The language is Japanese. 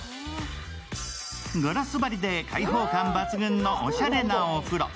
ガラス張りで開放感抜群のおしゃれなお風呂。